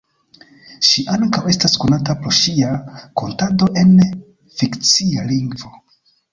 Ŝi ankaŭ estas konata pro ŝia kantado en fikcia lingvo.